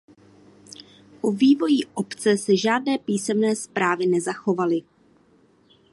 O vývoji obce se žádné písemné zprávy nezachovaly.